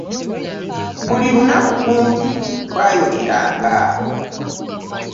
Buli lunaku kumpi twayogeranga.